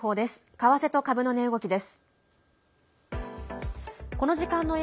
為替と株の値動きです。